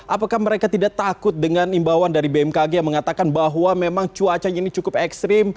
apakah mereka tidak takut dengan imbauan dari bmkg yang mengatakan bahwa memang cuacanya ini cukup ekstrim